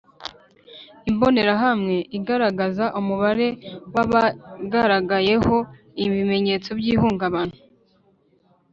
Imbonerahamwe igaragaza umubare w abagaragaweho ibimenyetso by ihungabana